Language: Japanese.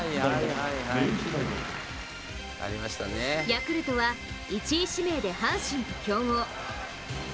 ヤクルトは、１位指名で阪神と競合。